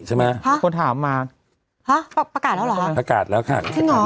ใช่ไหมฮะคนถามมาฮะประกาศแล้วเหรอประกาศแล้วค่ะจริงเหรอ